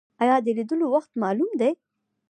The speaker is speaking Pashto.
ایا د لیدلو وخت معلوم دی؟